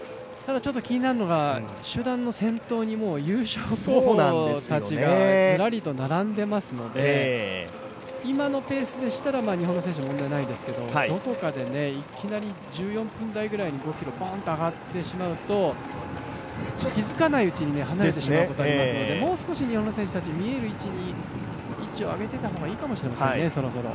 気になるのが、集団の先頭に優勝候補たちがずらりと並んでいますので今のペースだったら日本の選手も問題ないですけどどこかでいきなり１４分台ぐらいに５ｋｍぼんと上がってしまうと、気づかないうちに離れてしまうこともありますのでもう少し日本の選手たち見える位置に、位置を上げておいた方がいいかもしれませんね、そろそろ。